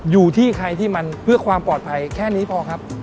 อยู่ที่ใครที่มันเพื่อความปลอดภัยแค่นี้พอครับ